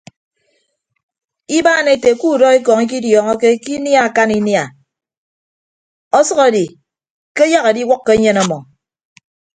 Ibaan ete udọ ekọñ ikidiọọñọke ke inia akan inia ọsʌk edi ke ayak ediwʌkkọ enyen ọmmọ.